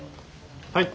はい。